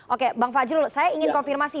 oke bang fajrul saya ingin konfirmasi